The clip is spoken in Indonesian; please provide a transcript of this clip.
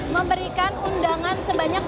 memberikan undangan sebanyak